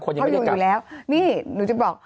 เนี่ยตั้งคนยังไม่ได้กลับ